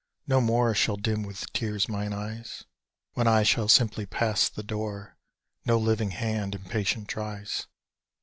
No more shall dim with tears mine eyes; When I shall simply pass the door No living hand impatient tries!